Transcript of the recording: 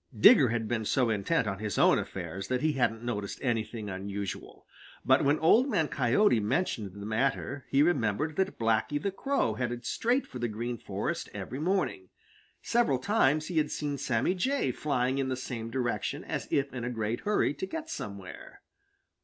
Digger had been so intent on his own affairs that he hadn't noticed anything unusual, but when Old Man Coyote mentioned the matter he remembered that Blacky the Crow headed straight for the Green Forest every morning. Several times he had seen Sammy Jay flying in the same direction as if in a great hurry to get somewhere.